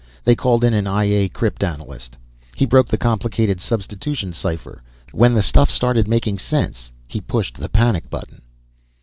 They called in an I A crypt analyst. He broke a complicated substitution cipher. When the stuff started making sense he pushed the panic button."